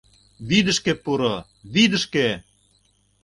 — Вӱдышкӧ пуро, вӱдышкӧ!